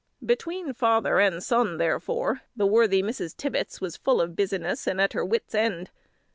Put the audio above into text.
Between father and son, therefore, the worthy Mrs. Tibbets was full of business and at her wits' end.